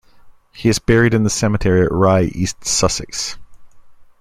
He is buried in the cemetery at Rye, East Sussex.